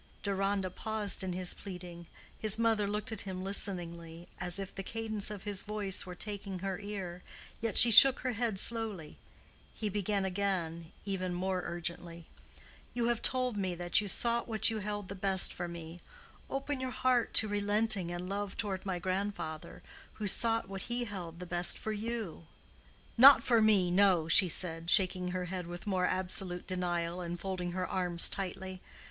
Deronda paused in his pleading: his mother looked at him listeningly, as if the cadence of his voice were taking her ear, yet she shook her head slowly. He began again, even more urgently. "You have told me that you sought what you held the best for me: open your heart to relenting and love toward my grandfather, who sought what he held the best for you." "Not for me, no," she said, shaking her head with more absolute denial, and folding her arms tightly.